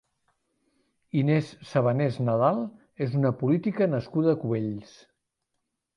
Inés Sabanés Nadal és una política nascuda a Cubells.